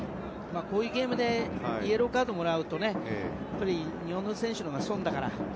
こういうゲームでイエローカードもらうと日本の選手のほうが損だから。